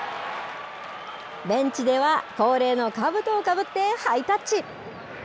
ベンチでは、恒例のかぶとをかぶってハイタッチ。